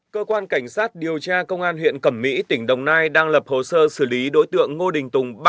cơ quan cảnh sát điều tra công an huyện cẩm mỹ tỉnh đồng nai đang lập hồ sơ xử lý đối tượng ngô đình tùng